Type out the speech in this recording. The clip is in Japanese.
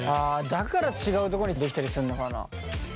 だから違うとこに出来たりするのかな。